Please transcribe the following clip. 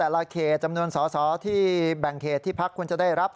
การได้รับได้เหลือ๑๕๐จำนวนเต็มเสร็จเบื้องว่างแบบนี้มันคือาวิทยาวิทยาคณิต